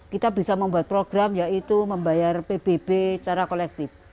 kita bisa membuat program yaitu membayar pbb secara kolektif